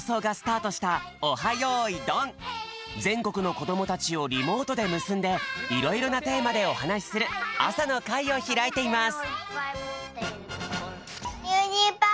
ぜんこくの子どもたちをリモートでむすんでいろいろなテーマでおはなしする朝の会をひらいています